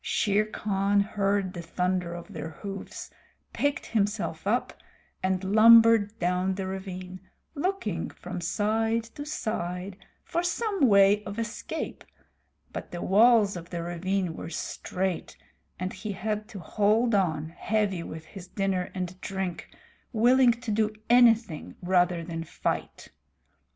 Shere Khan heard the thunder of their hoofs, picked himself up, and lumbered down the ravine, looking from side to side for some way of escape, but the walls of the ravine were straight and he had to hold on, heavy with his dinner and his drink, willing to do anything rather than fight.